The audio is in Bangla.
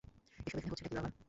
এসব এখানে হচ্ছেটা কী, বাবা?